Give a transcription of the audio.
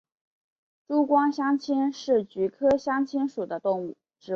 珠光香青是菊科香青属的植物。